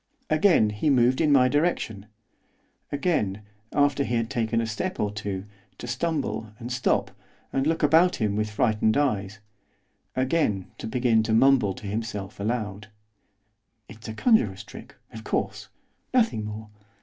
Again he moved in my direction; again, after he had taken a step or two, to stumble and stop, and look about him with frightened eyes; again to begin to mumble to himself aloud. 'It's a conjurer's trick! Of course! Nothing more.